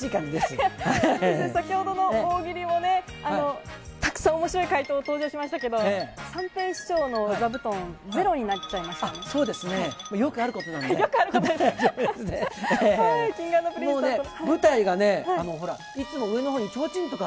先ほどの大喜利もね、たくさんおもしろい回答、登場しましたけれども、三平師匠の座布そうですね、よくあることなよくあることですか？